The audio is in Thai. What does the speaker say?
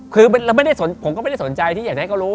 คือผมก็ไม่ได้สนใจที่อยากจะให้เขารู้